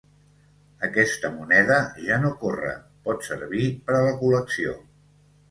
Aquesta moneda ja no corre, pot servir per a la col·lecció.